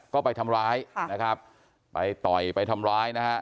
ก็ไปทำร้ายค่ะนะครับไปต่อยไปทำร้ายนะฮะ